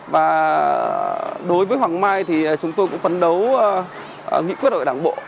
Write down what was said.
và đối với hoàng mai thì chúng tôi cũng phấn đấu nghĩ quyết đội đảng bộ